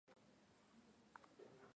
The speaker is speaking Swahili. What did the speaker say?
Kukosana naye si vizuri.